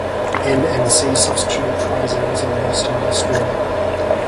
N- and C-substituted triazines are used industrially.